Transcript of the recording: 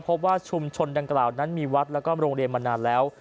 พบว่าชุมชนดังกล่าวนั้นมีวัดแล้วก็โรงเรียนมานานแล้ว